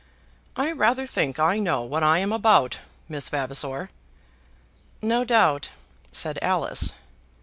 I rather think I know what I'm about, Miss Vavasor." "No doubt," said Alice.